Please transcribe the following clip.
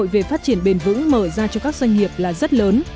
về phát triển bền vững mở ra cho các doanh nghiệp là rất lớn